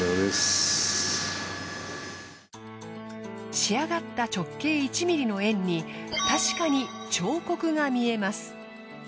仕上がった直径１ｍｍの円に確かに彫刻が見えます。